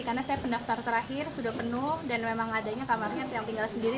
karena saya pendaftar terakhir sudah penuh dan memang adanya kamarnya yang tinggal sendiri